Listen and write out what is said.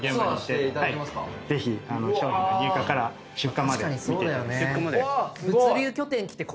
ぜひ商品の入荷から出荷まで見ていただければ。